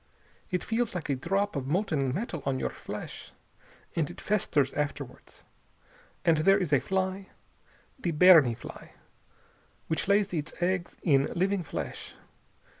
It feels like a drop of molten metal on your flesh. And it festers afterwards. And there is a fly, the berni fly, which lays its eggs in living flesh.